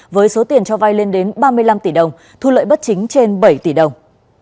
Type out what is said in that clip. với số tiền cho vay lên đến ba mươi năm tỷ đồng thu lợi bất chính trên bảy tỷ đồng